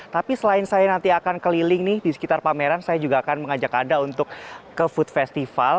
tapi selain saya nanti akan keliling nih di sekitar pameran saya juga akan mengajak anda untuk ke food festival